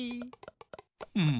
うん。